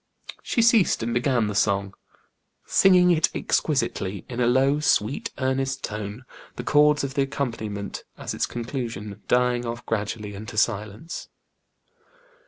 She ceased and began the song, singing it exquisitely, in a low, sweet, earnest tone, the chords of the accompaniment, at its conclusion, dying off gradually into silence.